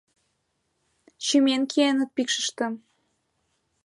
Чымен киеныт пикшыштым.